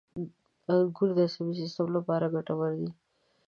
• انګور د عصبي سیستم لپاره ګټور دي.